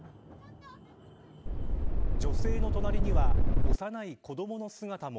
女性の隣には幼い子どもの姿も。